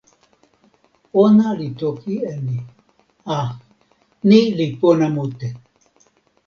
ona li toki e ni: a! ni li pona mute.